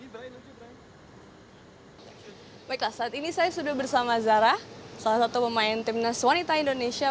baiklah saat ini saya sudah bersama zara salah satu pemain timnas wanita indonesia